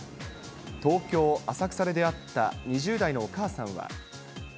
東京・浅草で出会った２０代のお母さんは。